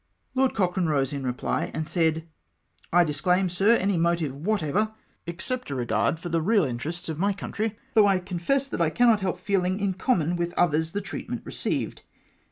" Lord Cochrane rose in reply, and said, ' I disclaim. Sir, any motive whatever, except a regard for the real interests of ray country, though I confess that I cannot help feeling in common with others the treatment received.